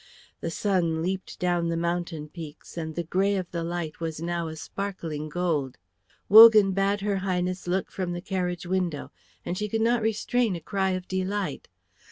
The sun leaped down the mountain peaks, and the grey of the light was now a sparkling gold. Wogan bade her Highness look from the carriage window, and she could not restrain a cry of delight.